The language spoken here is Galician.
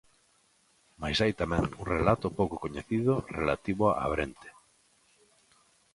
Mais hai tamén un relato pouco coñecido relativo a Abrente.